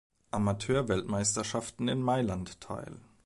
Amateurweltmeisterschaften in Mailand teil.